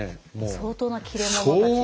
相当な切れ者たちが。